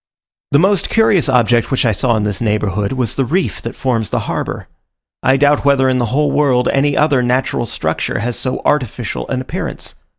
The most curious object which I saw in this neighbourhood, was the reef that forms the harbour. I doubt whether in the whole world any other natural structure has so artificial an appearance.